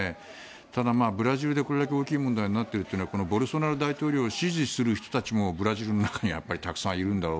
ただ、ブラジルでこれだけ大きい問題になっているというのはボルソナロ大統領を支持する人たちもブラジルの中にたくさんいるんだろう。